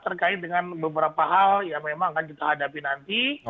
terkait dengan beberapa hal yang memang akan kita hadapi nanti